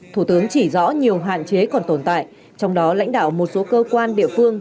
thủ tướng chỉ rõ nhiều hạn chế còn tồn tại trong đó lãnh đạo một số cơ quan địa phương